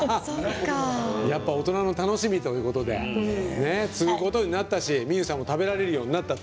やっぱ大人の楽しみということで継ぐことになったし美有さんも食べられるようになったと。